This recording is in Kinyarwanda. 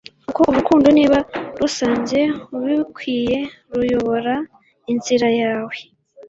kuko urukundo, niba rusanze ubikwiye, ruyobora inzira yawe.”